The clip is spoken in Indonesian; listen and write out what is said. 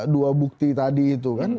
dua bukti tadi itu kan